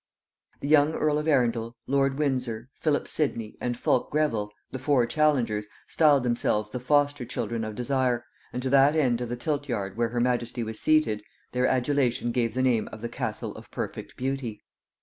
The young earl of Arundel, lord Windsor, Philip Sidney, and Fulke Greville, the four challengers, styled themselves the foster children of Desire, and to that end of the tilt yard where her majesty was seated, their adulation gave the name of the Castle of Perfect Beauty.